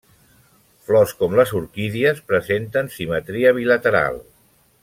Flors com les orquídies presenten simetria bilateral.